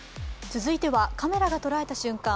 続いては、カメラが捉えた瞬間。